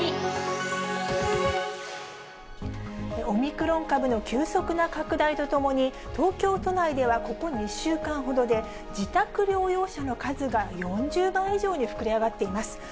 オミクロン株の急速な拡大とともに、東京都内ではここ２週間ほどで、自宅療養者の数が４０倍以上に膨れ上がっています。